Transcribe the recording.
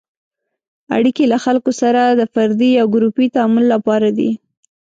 اړیکې له خلکو سره د فردي یا ګروپي تعامل لپاره دي.